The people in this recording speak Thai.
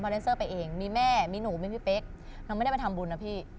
เลนเซอร์ไปเองมีแม่มีหนูมีพี่เป๊กหนูไม่ได้ไปทำบุญนะพี่